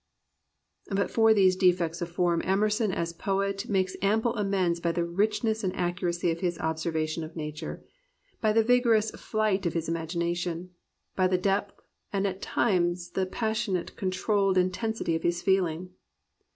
But for these defects of form Emerson as poet makes ample amends by the richness and accuracy of his observation of nature, by the vigorous flight of his imagination, by the depth and at times the passionate controlled intensity of his feeling.